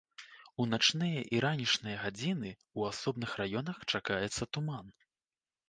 У начныя і ранішнія гадзіны ў асобных раёнах чакаецца туман.